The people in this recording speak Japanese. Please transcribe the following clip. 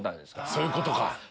そういうことか。